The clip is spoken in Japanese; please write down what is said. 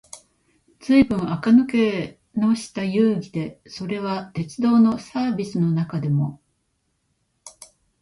ずいぶん垢抜けのした遊戯で、それは鉄道のサーヴィスの中でも、